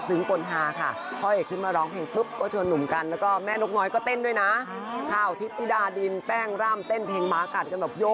เออรักกูพันกับการเล่นละครไปมาเหมือนพ่อลูกกันเลย